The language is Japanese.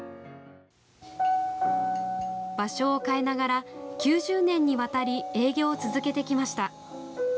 場所を変えながら９０年にわたり営業を続けてきました。